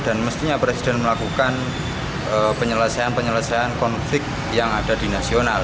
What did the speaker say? dan mestinya presiden melakukan penyelesaian penyelesaian konflik yang ada di nasional